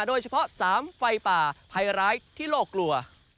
โดยเฉพาะ๓ไฟป่าภัยร้ายที่โลกกลัว